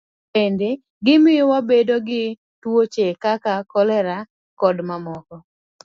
Bende, gimiyo wabedo gi tuoche kaka kolera, kod mamoko.